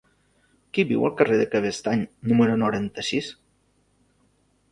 Qui viu al carrer de Cabestany número noranta-sis?